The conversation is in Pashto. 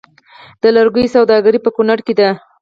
د لرګیو سوداګري په کنړ کې ده